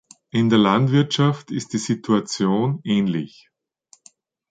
In der Landwirtschaft ist die Situation ähnlich.